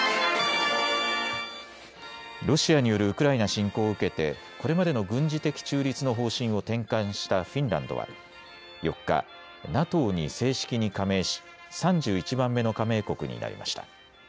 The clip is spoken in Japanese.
ロシアによるウクライナ侵攻を受けてこれまでの軍事的中立の方針を転換したフィンランドは４日、ＮＡＴＯに正式に加盟し３１番目の加盟国になりました。